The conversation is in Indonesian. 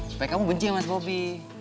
supaya kamu benci mas bobby